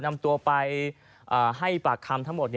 นำตัวไปให้ปากคำทั้งหมด